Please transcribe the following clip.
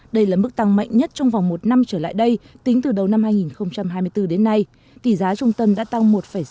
đây là mức tăng mạnh nhất trong vòng một năm trở lại đây tính từ đầu năm hai nghìn hai mươi bốn đến nay tỷ giá trung tâm đã tăng một sáu mươi